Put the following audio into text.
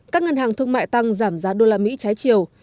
các ngân hàng thương mại tăng giảm giá đô la mỹ trái chiều